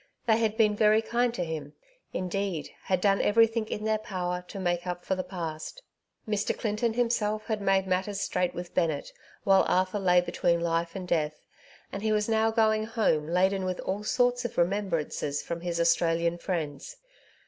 They had been very kind to him — ^indeed^ had done everything in their power to make up for the past. Mr. Clinton himself had made matters straight with Bennett while Arthur lay between life and death, and he was now going home laden with all sorts of remembrances from his Australian friends.